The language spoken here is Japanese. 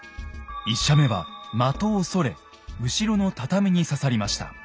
１射目は的をそれ後ろの畳に刺さりました。